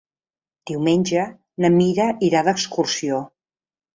Diumenge na Mira irà d'excursió.